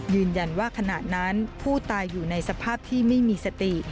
ยืนยันว่าขณะนั้นผู้ตายอยู่ในสภาพที่ไม่มีสติ